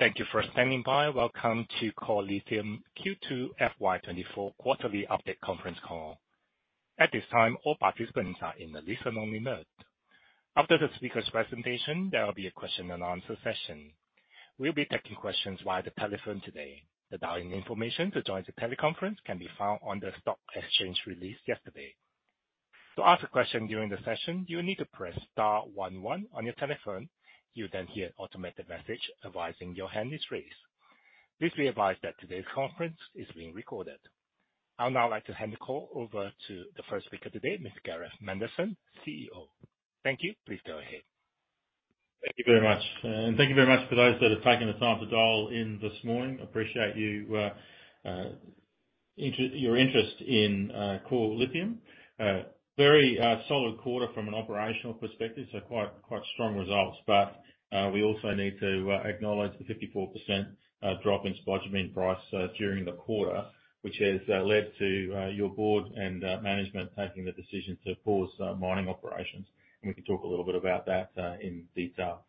Thank you for standing by. Welcome to Core Lithium Q2 FY 2024 Quarterly Update Conference Call. At this time, all participants are in a listen-only mode. After the speaker's presentation, there will be a question and answer session. We'll be taking questions via the telephone today. The dialing information to join the teleconference can be found on the stock exchange release yesterday. To ask a question during the session, you will need to press star one one on your telephone. You'll then hear an automated message advising your hand is raised. Please be advised that today's conference is being recorded. I'd now like to hand the call over to the first speaker today, Mr. Gareth Manderson, CEO. Thank you. Please go ahead. Thank you very much, and thank you very much for those that have taken the time to dial in this morning. Appreciate your interest in Core Lithium. Very solid quarter from an operational perspective, so quite strong results. But we also need to acknowledge the 54% drop in spodumene price during the quarter, which has led to your board and management taking the decision to pause mining operations. And we can talk a little bit about that in detail.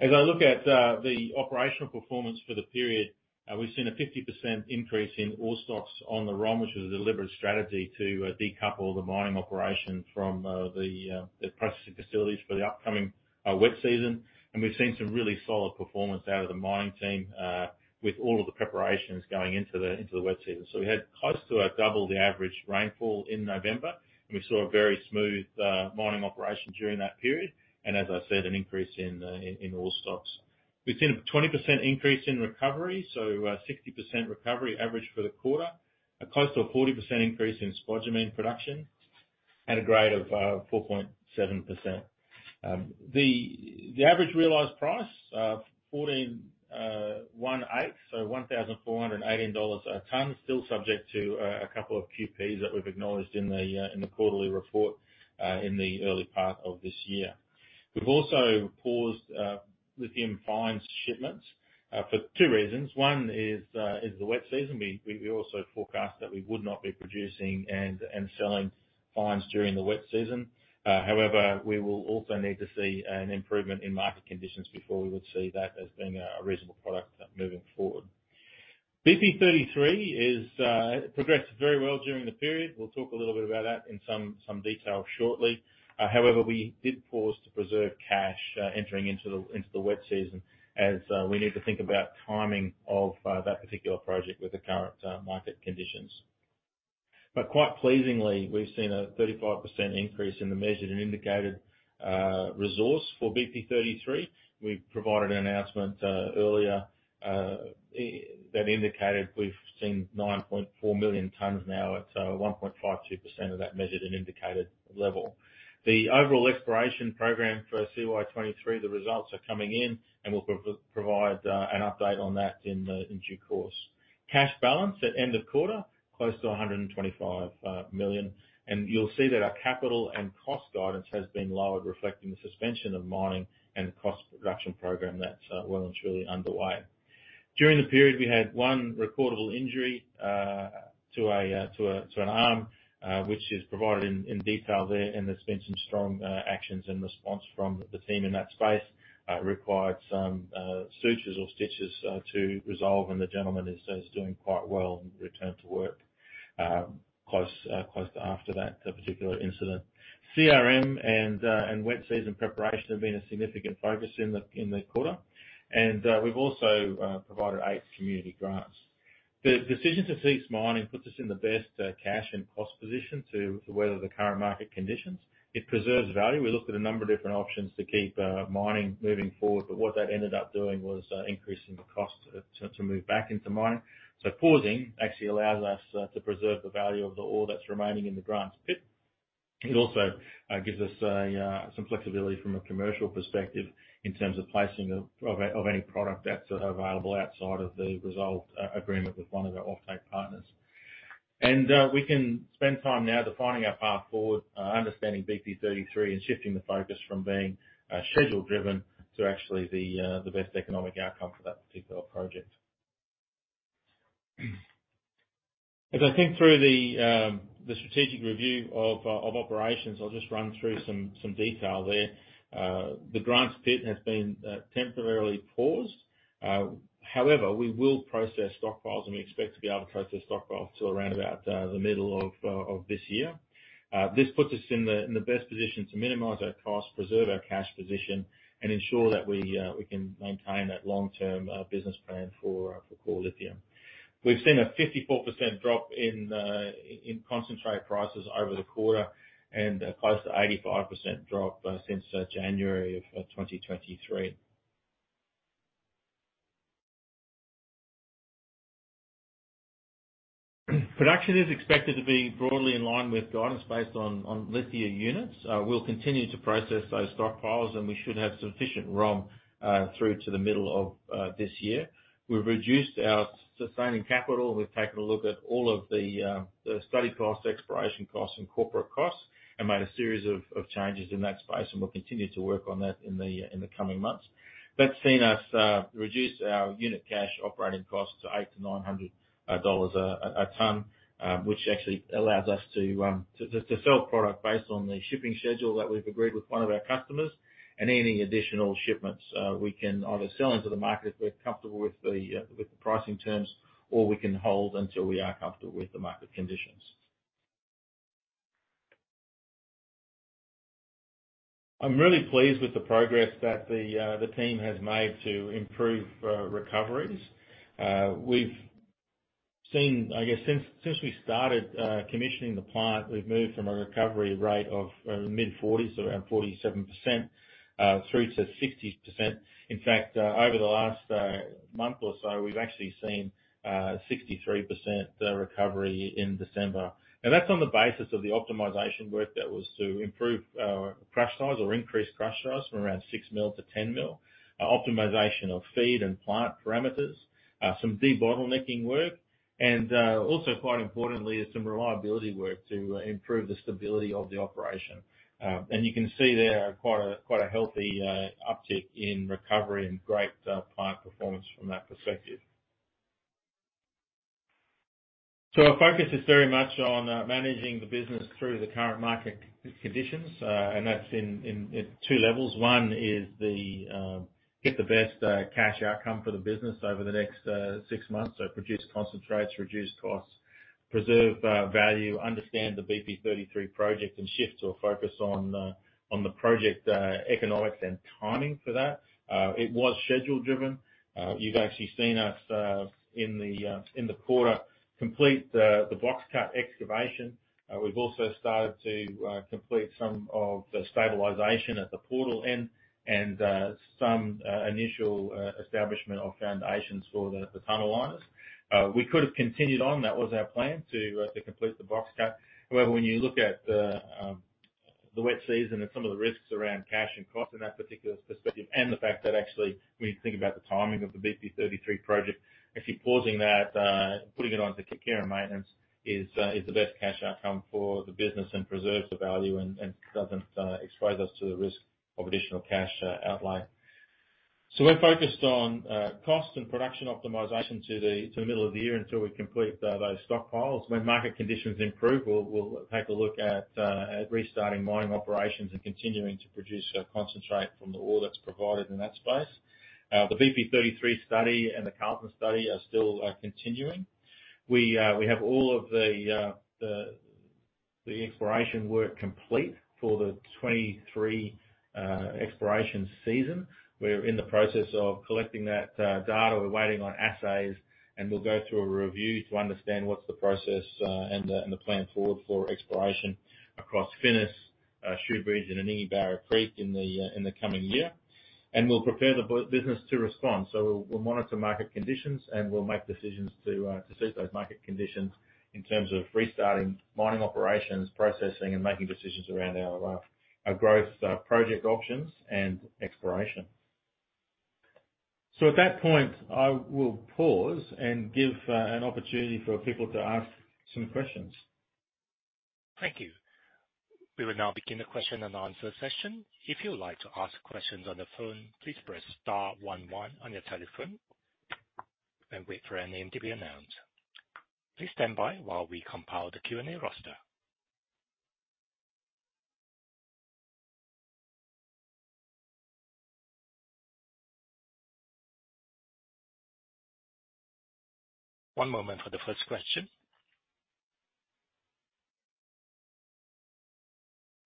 As I look at the operational performance for the period, we've seen a 50% increase in ore stocks on the ROM, which was a deliberate strategy to decouple the mining operation from the processing facilities for the upcoming wet season. And we've seen some really solid performance out of the mining team, with all of the preparations going into the wet season. So we had close to about double the average rainfall in November, and we saw a very smooth mining operation during that period, and as I said, an increase in ore stocks. We've seen a 20% increase in recovery, so 60% recovery average for the quarter, a close to a 40% increase in spodumene production, and a grade of 4.7%. The average realized price $1,418 a tonne. Still subject to a couple of QPs that we've acknowledged in the quarterly report in the early part of this year. We've also paused lithium fines shipments for two reasons. One is the wet season. We also forecast that we would not be producing and selling fines during the wet season. However, we will also need to see an improvement in market conditions before we would see that as being a reasonable product moving forward. BP33 is progressed very well during the period. We'll talk a little bit about that in some detail shortly. However, we did pause to preserve cash entering into the wet season, as we need to think about timing of that particular project with the current market conditions. But quite pleasingly, we've seen a 35% increase in the Measured and Indicated Resource for BP33. We've provided an announcement earlier that indicated we've seen 9.4 million tonnes now, at 1.52% of that Measured and Indicated level. The overall exploration program for CY 2023, the results are coming in, and we'll provide an update on that in due course. Cash balance at end of quarter, close to 125 million. You'll see that our capital and cost guidance has been lowered, reflecting the suspension of mining and cost reduction program that's well and truly underway. During the period, we had one recordable injury to an arm, which is provided in detail there, and there's been some strong actions and response from the team in that space. Required some sutures or stitches to resolve, and the gentleman is doing quite well and returned to work close to after that particular incident. CRM and wet season preparation have been a significant focus in the quarter. We've also provided eight community grants. The decision to cease mining puts us in the best cash and cost position to weather the current market conditions. It preserves value. We looked at a number of different options to keep mining moving forward, but what that ended up doing was increasing the cost to move back into mining. So pausing actually allows us to preserve the value of the ore that's remaining in the Grants Pit. It also gives us some flexibility from a commercial perspective in terms of placing of any product that's available outside of the resolved agreement with one of our offtake partners. We can spend time now defining our path forward, understanding BP33, and shifting the focus from being schedule driven to actually the best economic outcome for that particular project. As I think through the strategic review of operations, I'll just run through some detail there. The Grants Pit has been temporarily paused. However, we will process stockpiles, and we expect to be able to process stockpiles till around about the middle of this year. This puts us in the best position to minimize our costs, preserve our cash position, and ensure that we can maintain that long-term business plan for Core Lithium. We've seen a 54% drop in concentrate prices over the quarter, and close to 85% drop since January of 2023. Production is expected to be broadly in line with guidance based on lithium units. We'll continue to process those stockpiles, and we should have sufficient ROM through to the middle of this year. We've reduced our sustaining capital. We've taken a look at all of the study costs, exploration costs, and corporate costs, and made a series of changes in that space, and we'll continue to work on that in the coming months. That's seen us reduce our unit cash operating costs to $800-$900 a tonne, which actually allows us to sell product based on the shipping schedule that we've agreed with one of our customers. Any additional shipments, we can either sell into the market if we're comfortable with the pricing terms, or we can hold until we are comfortable with the market conditions. I'm really pleased with the progress that the team has made to improve recoveries. We've seen, I guess, since we started commissioning the plant, we've moved from a recovery rate of mid-40s, so around 47%, through to 60%. In fact, over the last month or so, we've actually seen 63% recovery in December. That's on the basis of the optimization work that was to improve crush size or increase crush size from around 6 mm to 10 mm, optimization of feed and plant parameters, some debottlenecking work, and also, quite importantly, some reliability work to improve the stability of the operation. And you can see there quite a healthy uptick in recovery and great plant performance from that perspective. So our focus is very much on managing the business through the current market conditions, and that's in two levels. One is to get the best cash outcome for the business over the next six months. So reduce concentrates, reduce costs, preserve value, understand the BP33 project, and shift our focus on the project economics and timing for that. It was schedule driven. You've actually seen us in the quarter complete the box cut excavation. We've also started to complete some of the stabilization at the portal end, and some initial establishment of foundations for the tunnel liners. We could have continued on. That was our plan to complete the box cut. However, when you look at the wet season and some of the risks around cash and cost in that particular perspective, and the fact that actually, when you think about the timing of the BP33 project, actually pausing that and putting it onto care and maintenance is the best cash outcome for the business and preserves the value and doesn't expose us to the risk of additional cash outlay. So we're focused on cost and production optimization to the middle of the year until we complete those stockpiles. When market conditions improve, we'll take a look at restarting mining operations and continuing to produce concentrate from the ore that's provided in that space. The BP33 study and the Carlton study are still continuing. We have all of the the exploration work complete for the 2023 exploration season. We're in the process of collecting that data. We're waiting on assays, and we'll go through a review to understand what's the process and the plan forward for exploration across Finniss, Shoobridge, and Anningie and Barrow Creek in the coming year. And we'll prepare the business to respond. So we'll monitor market conditions, and we'll make decisions to suit those market conditions in terms of restarting mining operations, processing, and making decisions around our growth project options and exploration. So at that point, I will pause and give an opportunity for people to ask some questions. Thank you. We will now begin the question and answer session. If you would like to ask questions on the phone, please press star one one on your telephone and wait for your name to be announced. Please stand by while we compile the Q&A roster. One moment for the first question.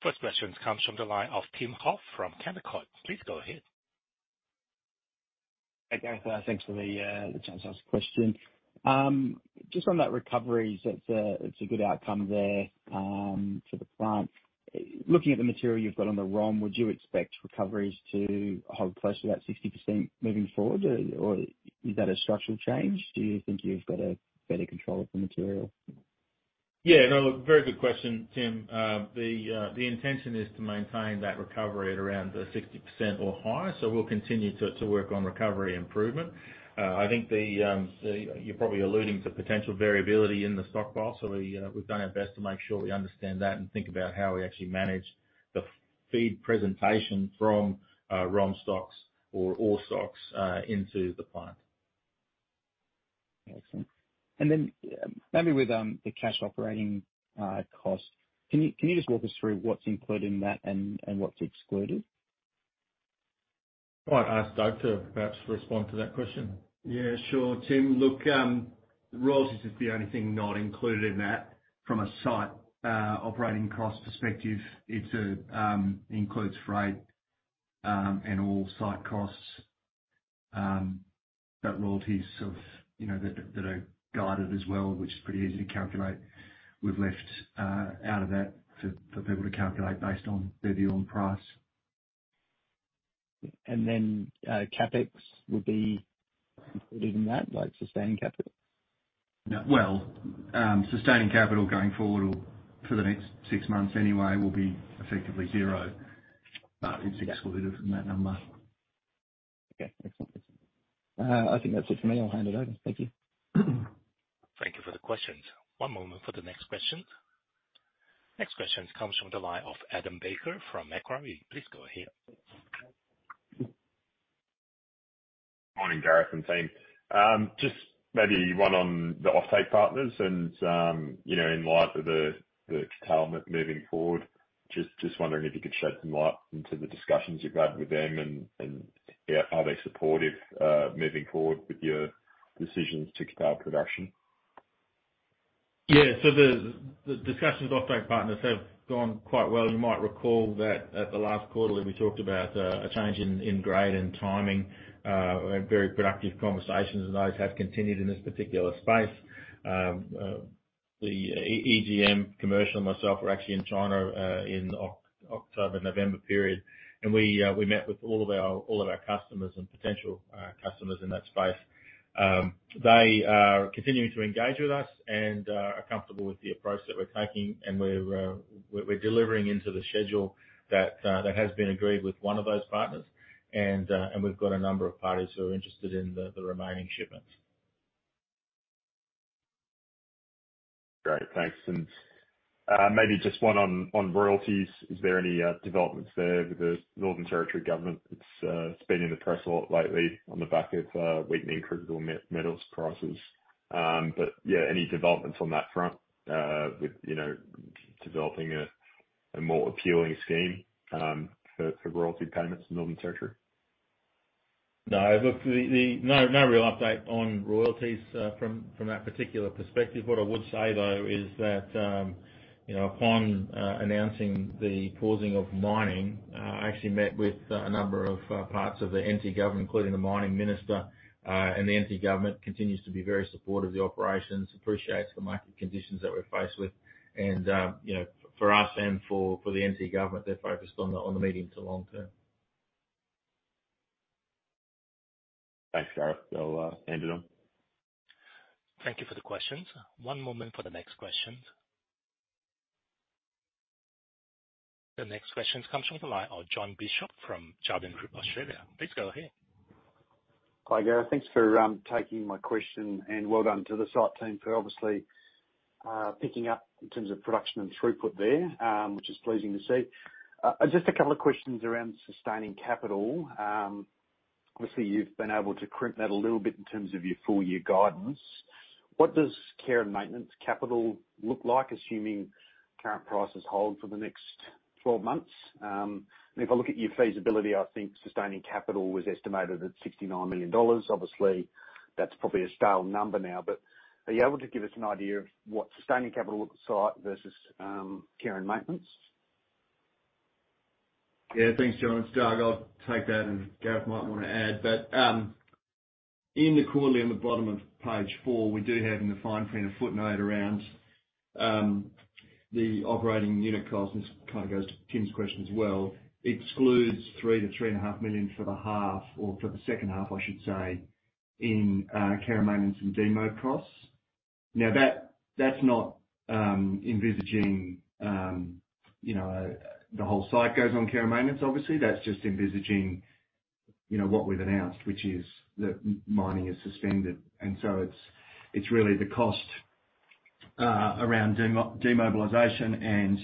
First question comes from the line of Tim Hoff from Canaccord. Please go ahead. Hey, Gareth. Thanks for the chance to ask a question. Just on that recoveries, it's a good outcome there for the plant. Looking at the material you've got on the ROM, would you expect recoveries to hold close to that 60% moving forward, or is that a structural change? Do you think you've got a better control of the material? Yeah, no, very good question, Tim. The intention is to maintain that recovery at around the 60% or higher, so we'll continue to work on recovery improvement. I think the... You're probably alluding to potential variability in the stockpile. So we've done our best to make sure we understand that and think about how we actually manage the feed presentation from ROM stocks or ore stocks into the plant. Excellent. And then, maybe with the cash operating costs, can you, can you just walk us through what's included in that and, and what's excluded? I'll ask Doug to perhaps respond to that question. Yeah, sure, Tim. Look, royalties is the only thing not included in that from a site operating cost perspective. It includes freight and all site costs, but royalties of, you know, that, that are guided as well, which is pretty easy to calculate, we've left out of that for people to calculate based on the oil price. And then, CapEx would be included in that, like sustaining capital? No, well, sustaining capital going forward or for the next six months anyway, will be effectively zero. It's excluded from that number. Okay, excellent. I think that's it for me. I'll hand it over. Thank you. Thank you for the questions. One moment for the next question. Next question comes from the line of Adam Baker from Macquarie. Please go ahead. Morning, Gareth and team. Just maybe one on the offtake partners and, you know, in light of the curtailment moving forward, just wondering if you could shed some light into the discussions you've had with them and yeah, are they supportive moving forward with your decisions to curtail production? ... Yeah, so the discussions with offtake partners have gone quite well. You might recall that at the last quarterly, we talked about a change in grade and timing. We had very productive conversations, and those have continued in this particular space. The EGM commercial and myself were actually in China in October, November period, and we met with all of our customers and potential customers in that space. They are continuing to engage with us and are comfortable with the approach that we're taking, and we're delivering into the schedule that has been agreed with one of those partners. We've got a number of parties who are interested in the remaining shipments. Great, thanks. And, maybe just one on royalties. Is there any developments there with the Northern Territory Government? It's been in the press a lot lately on the back of weakening critical metals prices. But, yeah, any developments on that front, with you know developing a more appealing scheme for royalty payments in Northern Territory? No, look, No, no real update on royalties, from that particular perspective. What I would say, though, is that, you know, upon announcing the pausing of mining, I actually met with a number of parts of the NT Government, including the mining minister. And the NT Government continues to be very supportive of the operations, appreciates the market conditions that we're faced with, and, you know, for us and for the NT Government, they're focused on the medium to long term. Thanks, Gareth. I'll hand it on. Thank you for the questions. One moment for the next questions. The next question comes from the line of Jon Bishop from Jarden Group Australia. Please go ahead. Hi, Gareth. Thanks for taking my question, and well done to the site team for obviously picking up in terms of production and throughput there, which is pleasing to see. Just a couple of questions around sustaining capital. Obviously, you've been able to crimp that a little bit in terms of your full year guidance. What does care and maintenance capital look like, assuming current prices hold for the next 12 months? And if I look at your feasibility, I think sustaining capital was estimated at 69 million dollars. Obviously, that's probably a stale number now, but are you able to give us an idea of what sustaining capital looks like versus care and maintenance? Yeah, thanks, Jon. It's Doug. I'll take that, and Gareth might want to add, but in the quarterly, on the bottom of page 4, we do have in the fine print a footnote around the operating unit cost. This kind of goes to Tim's question as well, excludes 3-3.5 million for the half, or for the second half, I should say, in care and maintenance and demo costs. Now, that's not envisaging, you know, the whole site goes on care and maintenance, obviously. That's just envisaging, you know, what we've announced, which is that mining is suspended. And so it's really the cost around demobilization and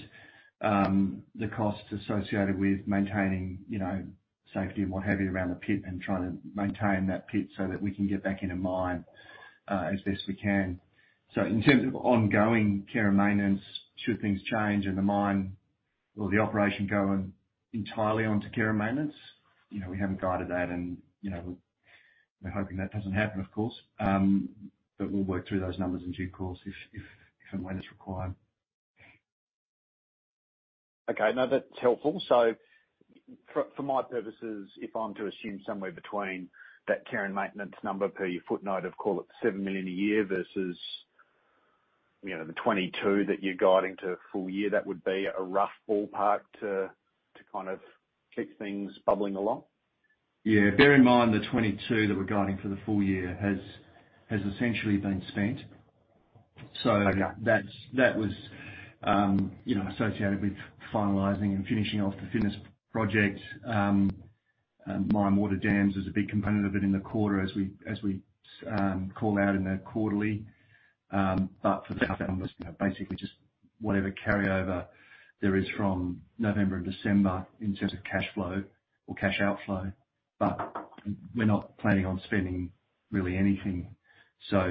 the costs associated with maintaining, you know, safety and what have you around the pit, and trying to maintain that pit so that we can get back in and mine as best we can. So in terms of ongoing care and maintenance, should things change and the mine or the operation going entirely onto care and maintenance, you know, we haven't guided that. And, you know, we're hoping that doesn't happen, of course. But we'll work through those numbers in due course if, if, if and when it's required. Okay, no, that's helpful. So for, for my purposes, if I'm to assume somewhere between that care and maintenance number per your footnote of, call it, 7 million a year versus, you know, the 22 that you're guiding to full year, that would be a rough ballpark to, to kind of keep things bubbling along? Yeah. Bear in mind, the 22 that we're guiding for the full year has, has essentially been spent. Okay. So that's, that was, you know, associated with finalizing and finishing off the Finniss project. And mine water dams is a big component of it in the quarter, as we call out in the quarterly. But for the, basically just whatever carryover there is from November and December in terms of cash flow or cash outflow, but we're not planning on spending really anything. So,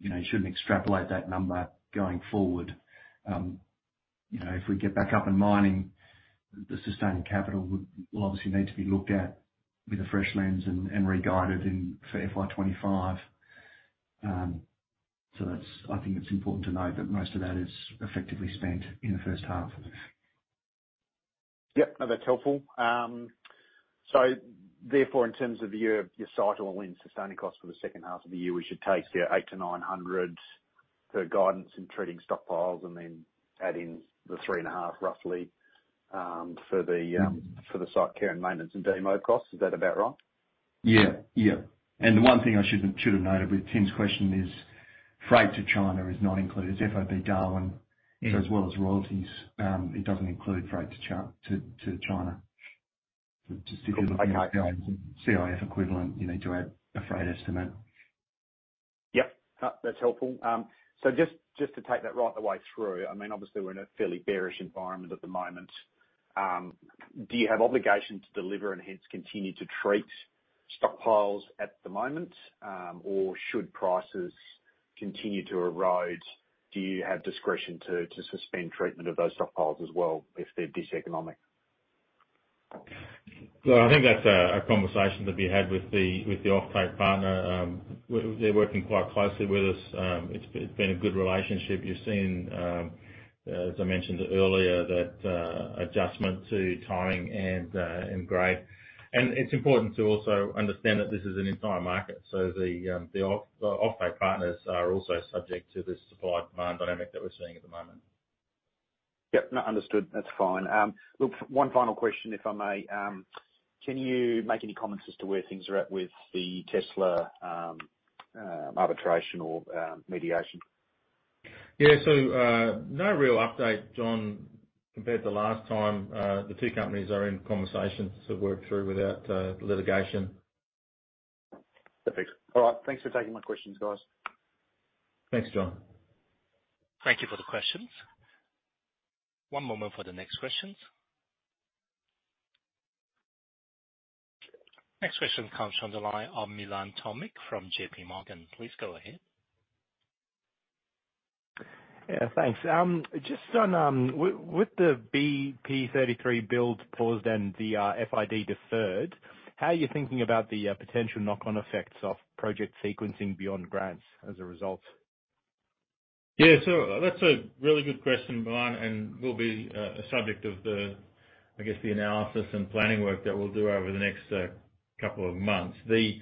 you know, you shouldn't extrapolate that number going forward. You know, if we get back up and mining, the sustaining capital would, will obviously need to be looked at with a fresh lens and re-guided in for FY 25. So that's- I think it's important to note that most of that is effectively spent in the first half. Yep. No, that's helpful. So therefore, in terms of your site all-in sustaining cost for the second half of the year, we should take the 800-900 for guidance in treating stockpiles and then add in the 3.5, roughly, for the site care and maintenance and demo costs. Is that about right? Yeah. Yeah, and the one thing I shouldn't, should have noted with Tim's question is freight to China is not included. It's FOB Darwin. Yeah... so as well as royalties, it doesn't include freight to China. Okay. CIF equivalent, you need to add a freight estimate. Yep. That's helpful. So just to take that right the way through, I mean, obviously we're in a fairly bearish environment at the moment. Do you have obligation to deliver and hence continue to treat stockpiles at the moment? Or should prices continue to erode, do you have discretion to suspend treatment of those stockpiles as well if they're diseconomic? ... Well, I think that's a conversation to be had with the offtake partner. They're working quite closely with us. It's been a good relationship. You've seen, as I mentioned earlier, that adjustment to timing and grade. And it's important to also understand that this is an entire market, so the offtake partners are also subject to the supply and demand dynamic that we're seeing at the moment. Yep. No, understood. That's fine. Look, one final question, if I may. Can you make any comments as to where things are at with the Tesla arbitration or mediation? Yeah. No real update, Jon, compared to last time. The two companies are in conversations to work through without litigation. Perfect. All right, thanks for taking my questions, guys. Thanks, Jon. Thank you for the questions. One moment for the next questions. Next question comes on the line of Milan Tomic from J.P. Morgan. Please go ahead. Yeah, thanks. Just on, with the BP33 build paused and the FID deferred, how are you thinking about the potential knock-on effects of project sequencing beyond Grants as a result? Yeah, so that's a really good question, Milan, and will be a subject of the, I guess, the analysis and planning work that we'll do over the next couple of months. The...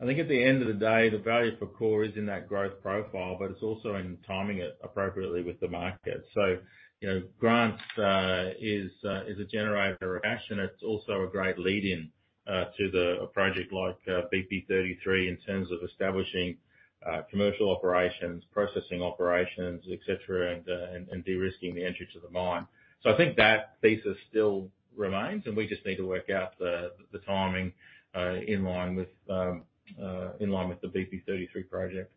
I think at the end of the day, the value for Core is in that growth profile, but it's also in timing it appropriately with the market. So, you know, Grants is cash generation. It's also a great lead-in to a project like BP33 in terms of establishing commercial operations, processing operations, et cetera, and de-risking the entry to the mine. So I think that thesis still remains, and we just need to work out the timing in line with the BP33 project.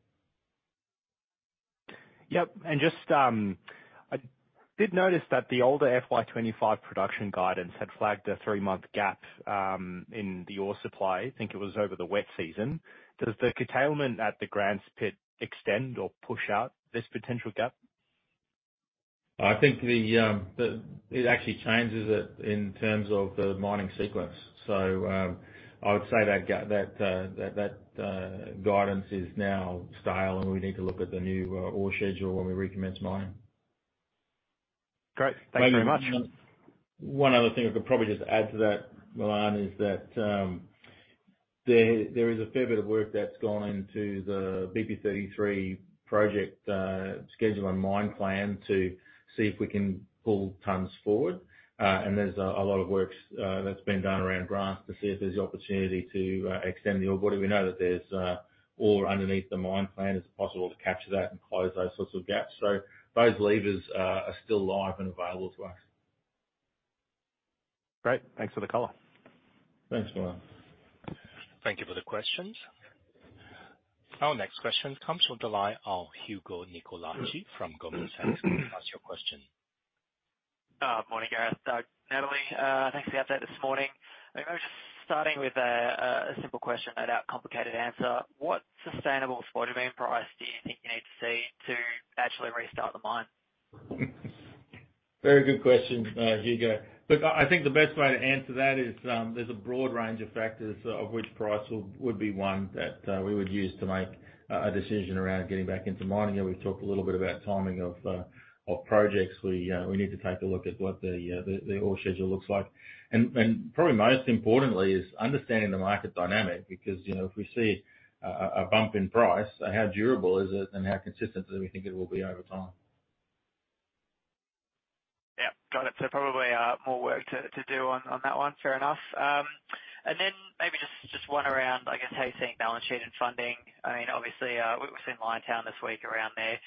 Yep, and just, I did notice that the older FY 25 production guidance had flagged a three-month gap in the ore supply. I think it was over the wet season. Does the curtailment at the Grants Pit extend or push out this potential gap? I think it actually changes it in terms of the mining sequence. So, I would say that guidance is now stale, and we need to look at the new ore schedule when we recommence mining. Great. Thank you very much. One other thing I could probably just add to that, Milan, is that, there is a fair bit of work that's gone into the BP33 project, schedule and mine plan to see if we can pull tonnes forward. And there's a lot of work that's been done around Grants to see if there's the opportunity to extend the ore body. We know that there's ore underneath the mine plan. It's possible to capture that and close those sorts of gaps. So those levers are still live and available to us. Great. Thanks for the call. Thanks, Milan. Thank you for the questions. Our next question comes from the line of Hugo Nicolaci from Goldman Sachs. Ask your question. Morning, Gareth, Natalie. Thanks for the update this morning. I'm just starting with a simple question and a complicated answer: What sustainable spodumene price do you think you need to see to naturally restart the mine? Very good question, Hugo. Look, I think the best way to answer that is, there's a broad range of factors, of which price will, would be one that we would use to make a decision around getting back into mining. And we've talked a little bit about timing of projects. We need to take a look at what the ore schedule looks like. And probably most importantly, is understanding the market dynamic, because, you know, if we see a bump in price, how durable is it and how consistent do we think it will be over time? Yeah. Got it. So probably more work to do on that one. Fair enough. And then maybe just one around, I guess, how you're seeing balance sheet and funding. I mean, obviously, we've seen Liontown this week around their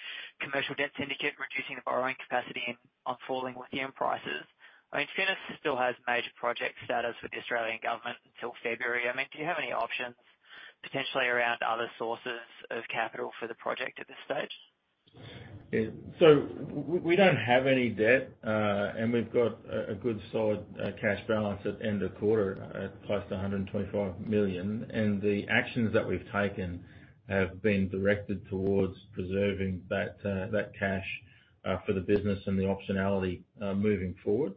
commercial debt syndicate, reducing the borrowing capacity on falling lithium prices. I mean, Finniss still has major project status with the Australian Government until February. I mean, do you have any options potentially around other sources of capital for the project at this stage? Yeah. We don't have any debt, and we've got a good, solid cash balance at end of quarter at close to 125 million. The actions that we've taken have been directed towards preserving that cash for the business and the optionality moving forward.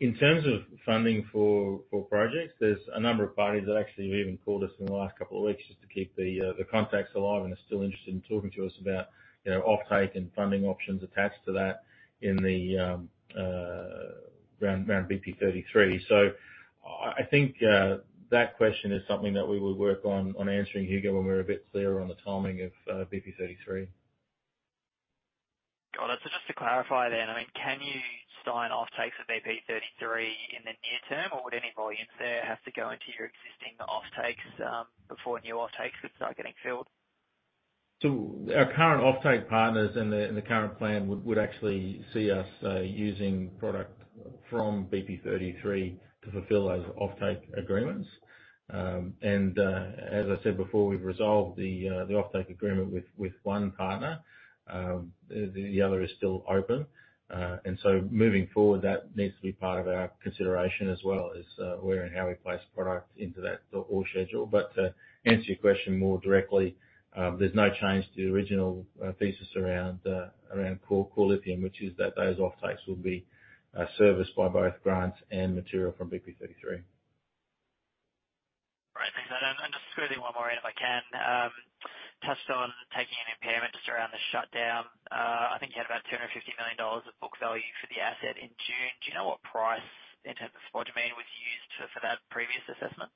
In terms of funding for projects, there's a number of parties that actually have even called us in the last couple of weeks just to keep the contacts alive and are still interested in talking to us about, you know, offtake and funding options attached to that in the around BP33. So I think that question is something that we will work on answering, Hugo, when we're a bit clearer on the timing of BP33. Got it. So just to clarify then, I mean, can you sign offtake for BP33 in the near term, or would any volumes there have to go into your existing offtakes, before new offtakes would start getting filled? So our current offtake partners in the current plan would actually see us using product from BP33 to fulfill those offtake agreements. And as I said before, we've resolved the offtake agreement with one partner. The other is still open. And so moving forward, that needs to be part of our consideration as well as where and how we place product into that ore schedule. But to answer your question more directly, there's no change to the original thesis around Core Lithium, which is that those offtakes will be serviced by both Grants and material from BP33.... One more in, if I can. Touched on taking an impairment just around the shutdown. I think you had about 250 million dollars of book value for the asset in June. Do you know what price, in terms of spot spodumene, was used for, for that previous assessment?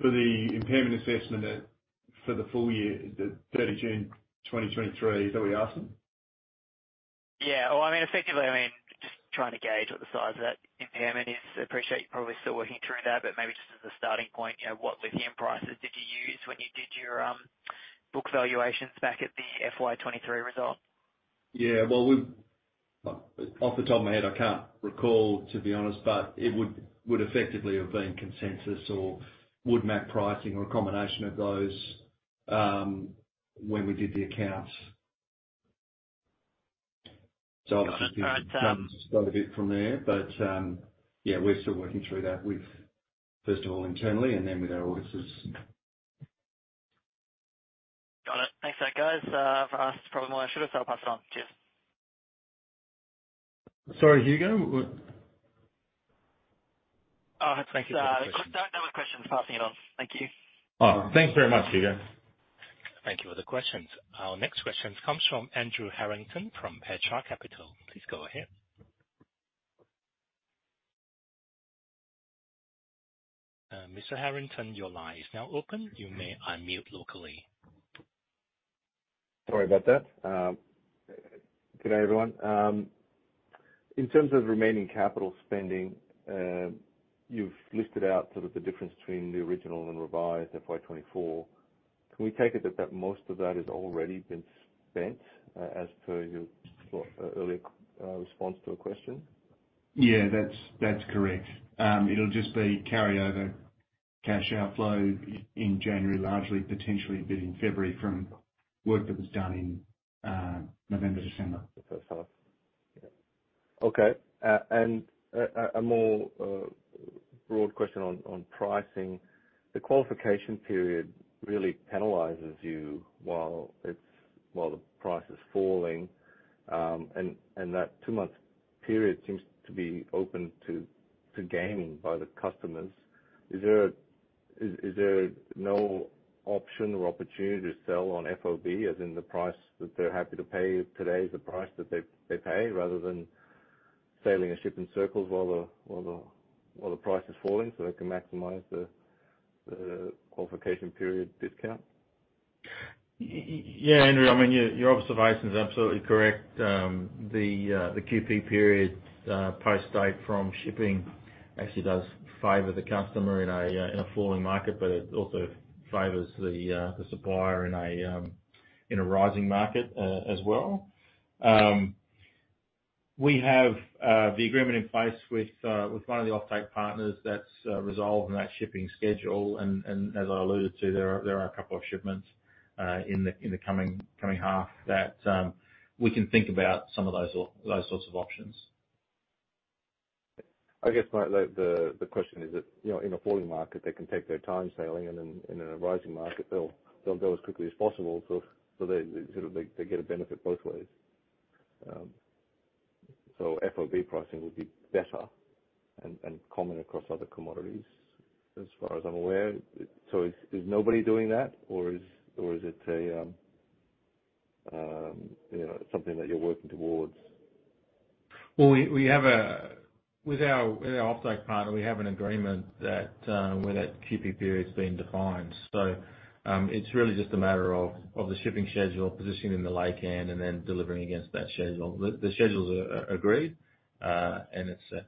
For the impairment assessment for the full year, the 30 June 2023, is that what you're asking? Yeah. Well, I mean, effectively, I mean, just trying to gauge what the size of that impairment is. I appreciate you're probably still working through that, but maybe just as a starting point, you know, what lithium prices did you use when you did your book valuations back at the FY 2023 result? Yeah, well, off the top of my head, I can't recall, to be honest, but it would effectively have been consensus or Woodmac pricing, or a combination of those, when we did the accounts. So obviously- Got it. All right. done a bit from there. But, yeah, we're still working through that with, first of all, internally, and then with our auditors. Got it. Thanks, guys. For us, probably more I should have passed it on. Cheers. Sorry, Hugo, what? Oh, thank you. Don't have a question. Passing it on. Thank you. Oh, thanks very much, Hugo. Thank you for the questions. Our next question comes from Andrew Harrington from Petra Capital. Please go ahead. Mr. Harrington, your line is now open. You may unmute locally. Sorry about that. Good day, everyone. In terms of remaining capital spending, you've listed out sort of the difference between the original and revised FY 2024. Can we take it that most of that has already been spent, as per your earlier response to a question? Yeah, that's, that's correct. It'll just be carryover cash outflow in January, largely, potentially a bit in February from work that was done in November, December. The first half. Yeah. Okay. And a more broad question on pricing: The qualification period really penalizes you while the price is falling, and that 2-month period seems to be open to gaming by the customers. Is there no option or opportunity to sell on FOB, as in the price that they're happy to pay you today is the price that they pay, rather than sailing a ship in circles while the price is falling, so they can maximize the qualification period discount? Yeah, Andrew, I mean, your observation is absolutely correct. The QP period post-date from shipping actually does favor the customer in a falling market, but it also favors the supplier in a rising market, as well. We have the agreement in place with one of the offtake partners that's resolved on that shipping schedule, and as I alluded to, there are a couple of shipments in the coming half that we can think about some of those sorts of options. I guess my question is that, you know, in a falling market, they can take their time sailing, and then in a rising market, they'll go as quickly as possible, so they sort of get a benefit both ways. So FOB pricing would be better and common across other commodities, as far as I'm aware. So is nobody doing that, or is it a, you know, something that you're working towards? Well, we have... With our offtake partner, we have an agreement that where that QP period's been defined. So, it's really just a matter of the shipping schedule positioning in the late end and then delivering against that schedule. The schedule's agreed, and it's set.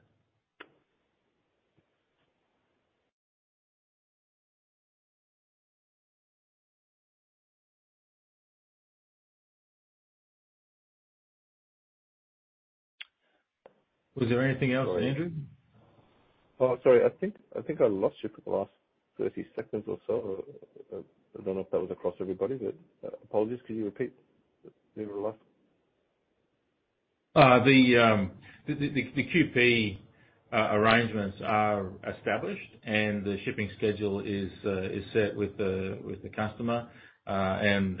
Was there anything else, Andrew? Oh, sorry, I think, I think I lost you for the last 30 seconds or so. I don't know if that was across everybody, but, apologies. Could you repeat the very last? The QP arrangements are established, and the shipping schedule is set with the customer, and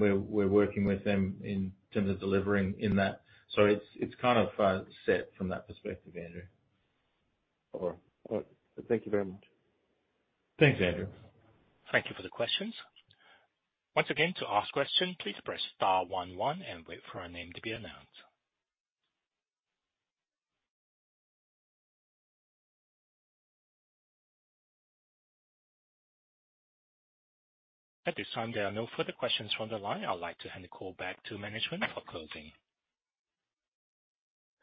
we're working with them in terms of delivering in that. So it's kind of set from that perspective, Andrew. All right. Well, thank you very much. Thanks, Andrew. Thank you for the questions. Once again, to ask question, please press star one one and wait for your name to be announced. At this time, there are no further questions from the line. I'd like to hand the call back to management for closing.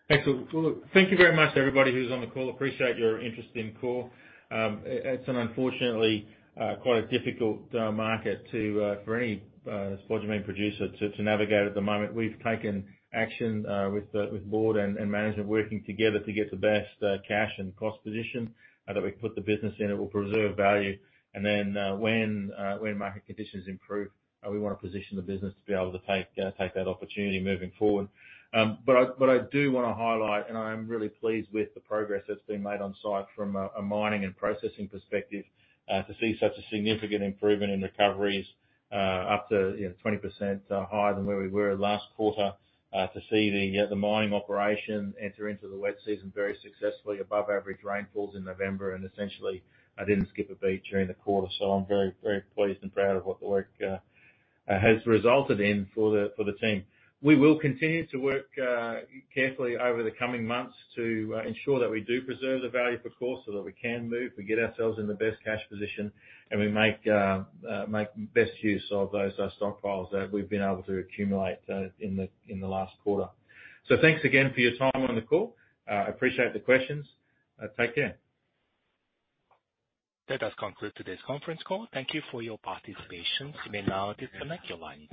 Excellent. Well, look, thank you very much, everybody who's on the call. Appreciate your interest in Core. It's unfortunately quite a difficult market to for any spodumene producer to navigate at the moment. We've taken action with the board and management working together to get the best cash and cost position that we can put the business in that will preserve value. And then when market conditions improve we want to position the business to be able to take that opportunity moving forward. But I do wanna highlight, and I am really pleased with the progress that's been made on site from a mining and processing perspective, to see such a significant improvement in recoveries, up to, you know, 20% higher than where we were last quarter. To see the mining operation enter into the wet season very successfully, above average rainfalls in November, and essentially didn't skip a beat during the quarter. So I'm very, very pleased and proud of what the work has resulted in for the team. We will continue to work carefully over the coming months to ensure that we do preserve the value for Core so that we can move, we get ourselves in the best cash position, and we make make best use of those stockpiles that we've been able to accumulate in the last quarter. So thanks again for your time on the call. I appreciate the questions. Take care. That does conclude today's conference call. Thank you for your participation. You may now disconnect your lines.